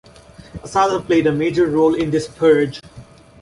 Asada played a major role in this purge.